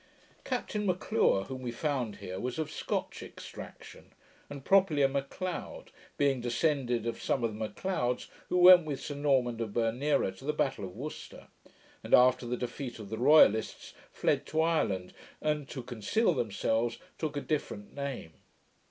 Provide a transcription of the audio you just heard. Captain M'Lure, whom we found here, was of Scotch extraction, and properly a M'Leod, being descended of some of the M'Leods who went with Sir Normand of Bernera to the battle of Worcester, and after the defeat of the royalists, fled to Ireland, and, to conceal themselves, took a different name.